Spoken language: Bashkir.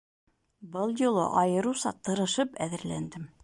Был юлы айырыуса тырышып әҙерләндем.